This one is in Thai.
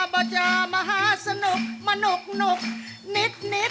อ้อบรรเจ้ามาศนุกร์มนุกนิด